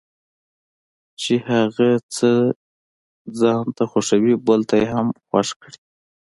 چې هغه څه ځانته خوښوي بل ته یې هم خوښ کړي.